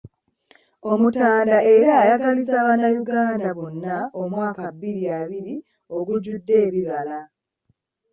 Omutanda era ayagalizza Bannayuganda bonna omwaka bbiri abiri ogujjudde ebibala.